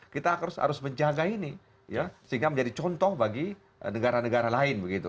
kita harus menjaga ini sehingga menjadi contoh bagi negara negara lain begitu